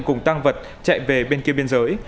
cùng tăng vật chạy về bên kia biên giới